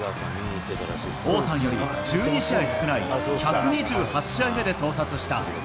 王さんより１２試合少ない、１２８試合目で到達した。